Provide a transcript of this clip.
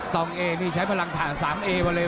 องเอนี่ใช้พลังฐาน๓เอมาเลย